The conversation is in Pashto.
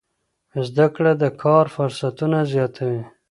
زده کړه د کار فرصتونه زیاتوي.